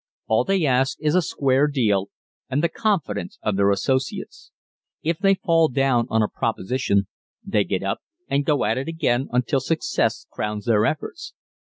All they ask is a square deal and the confidence of their associates. If they fall down on a proposition they get up and go at it again until success crowns their efforts.